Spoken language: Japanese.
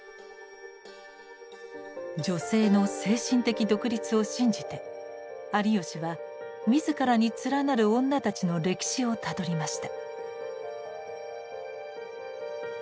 女性の精神的独立を信じて有吉は自らに連なる女たちの歴史をたどりました。